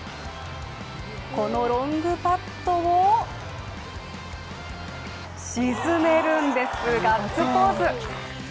このロングパットを沈めるんです、ガッツポーズ。